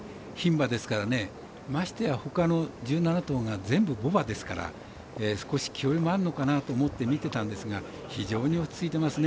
牝馬ですからねましてや、ほかの１７頭が全部牡馬ですから少し気負いもあるのかなと思って、見ていたんですが非常に落ち着いていますね。